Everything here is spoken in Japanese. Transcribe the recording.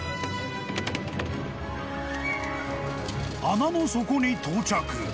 ［穴の底に到着］